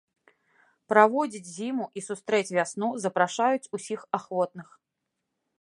Праводзіць зіму і сустрэць вясну запрашаюць усіх ахвотных.